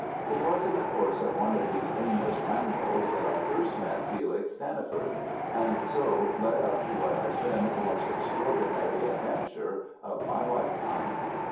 It was in the course of one of these aimless rambles that I first met Felix Stanniford, and so led up to what has been the most extraordinary adventure of my lifetime.